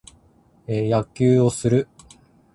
野球をする。